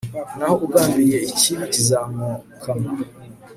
naho ugambiriye ikibi, kizamwokama